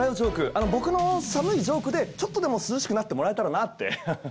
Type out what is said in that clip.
あの僕の寒いジョークでちょっとでも涼しくなってもらえたらなって。